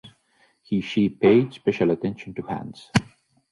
He/she paid special attention to hands.